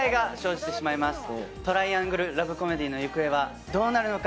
トライアングルラブコメディーの行方はどうなるのか？